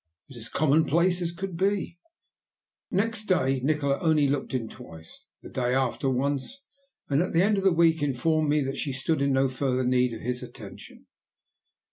It was as commonplace as could be." Next day Nikola only looked in twice, the day after once, and at the end of the week informed me that she stood in no further need of his attention.